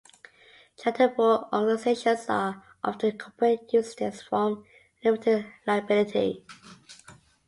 Charitable organisations are often incorporated using this form of limited liability.